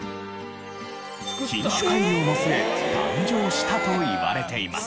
品種改良の末誕生したといわれています。